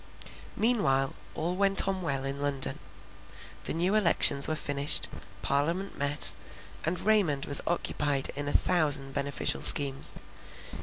Meanwhile all went on well in London. The new elections were finished; parliament met, and Raymond was occupied in a thousand beneficial schemes.